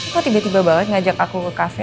kok tiba tiba banget ngajak aku ke kafe